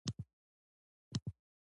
مطالعه د ذهن ورزش دی